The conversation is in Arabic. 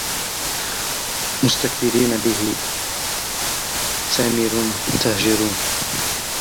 مستكبرين به سامرا تهجرون